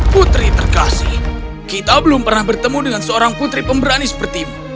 putri terkasih kita belum pernah bertemu dengan seorang putri pemberani sepertimu